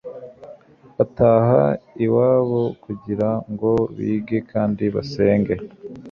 bataha iwabo kugira ngo bige kandi basenge.